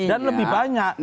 dan lebih banyak